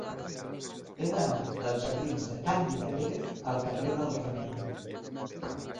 He d'anar dels jardins de Càndida Pérez al carrer del Remei.